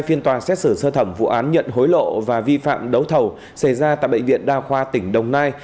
phiên tòa xét xử sơ thẩm vụ án nhận hối lộ và vi phạm đấu thầu xảy ra tại bệnh viện đa khoa tỉnh đồng nai